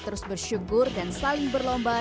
terus bersyukur dan saling berlomba